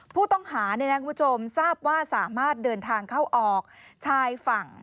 ผู้ต้องหาเนี่ยนะคุณผู้ชมทราบว่าสามารถเดินทางเข้าออกชายฝั่ง